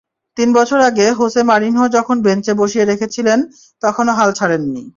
তিন বছর আগে হোসে মরিনহো যখন বেঞ্চে বসিয়ে রেখেছিলেন, তখনো হাল ছাড়েননি।